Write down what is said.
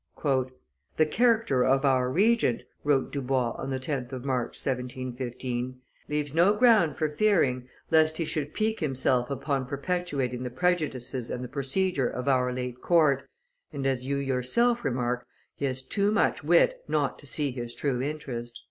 "The character of our Regent," wrote Dubois on the 10th of March, 1716, "leaves no ground for fearing lest he should pique himself upon perpetuating the prejudices and the procedure of our late court, and, as you yourself remark, he has too much wit not to see his true interest."